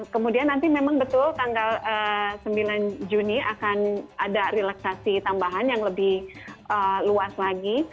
kemudian nanti memang betul tanggal sembilan juni akan ada relaksasi tambahan yang lebih luas lagi